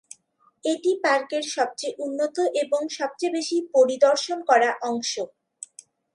এটি পার্কের সবচেয়ে উন্নত এবং সবচেয়ে বেশি পরিদর্শন করা অংশ।